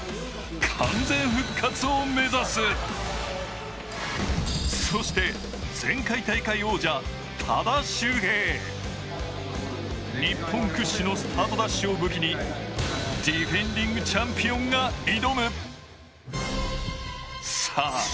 完全復活を目指すそして前回大会王者日本屈指のスタートダッシュを武器にディフェンディングチャンピオンが挑むさあ